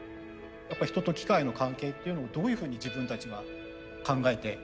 やっぱ人と機械の関係っていうのをどういうふうに自分たちは考えてデザインしていくのか。